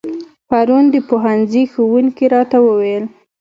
پرون د پوهنځي ښوونکي راته و ويل